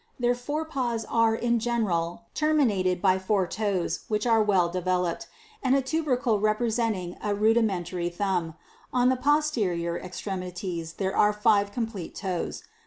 Their fore paws are in general termi nated by four toes which are well developed, and a tubercle rep resenting a rudimentary thumb ; on the posterior extremities there are five complete toes.